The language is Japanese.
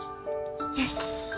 よし。